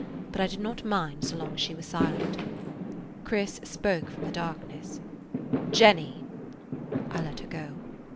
But I did not mind so long as she was silent. Chris spoke from the darkness. "Jenny!" I let her go.